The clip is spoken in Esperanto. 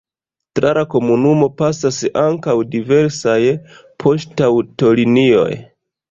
Tra la komunumo pasas ankaŭ diversaj poŝtaŭtolinioj.